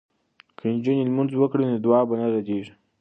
که نجونې لمونځ وکړي نو دعا به نه ردیږي.